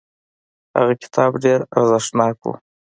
هغه کتاب ډیر ارزښتناک و.